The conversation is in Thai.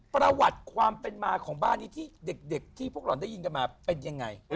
ประวัติความเป็นมาของบ้านนี้ที่เด็กที่พวกเราได้ยินกันมาเป็นยังไง